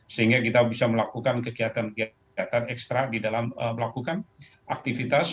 sehingga kita bisa melakukan kegiatan kegiatan ekstra di dalam melakukan aktivitas